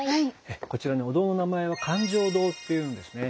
こちらお堂の名前は灌頂堂って言うんですね。